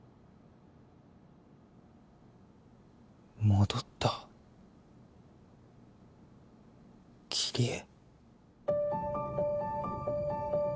戻った切り絵。